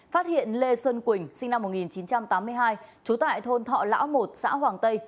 phát hiện lê xuân quỳnh sinh năm một nghìn chín trăm tám mươi hai trú tại thôn thọ lão một xã hoàng tây